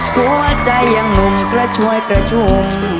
หัวใจยังหนุ่มกระชวยกระชง